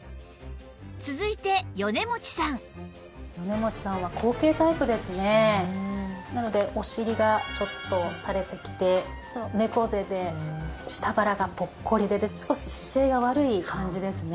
続いて米持さんなのでお尻がちょっと垂れてきて猫背で下腹がポッコリ出て少し姿勢が悪い感じですね。